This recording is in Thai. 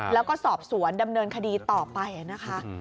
แล้วก็สอบสวนดำเนินคดีต่อไปนะคะ